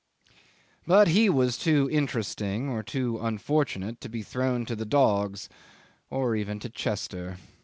'But he was too interesting or too unfortunate to be thrown to the dogs, or even to Chester.